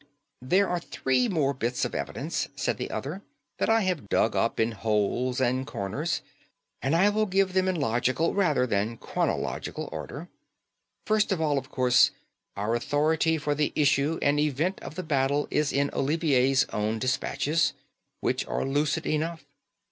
"There are three more bits of evidence," said the other, "that I have dug up in holes and corners; and I will give them in logical rather than chronological order. First of all, of course, our authority for the issue and event of the battle is in Olivier's own dispatches, which are lucid enough.